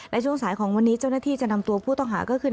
ช่วงสายของวันนี้เจ้าหน้าที่จะนำตัวผู้ต้องหาก็คือ